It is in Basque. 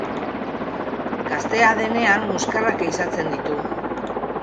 Gaztea denean muskerrak ehizatzen ditu.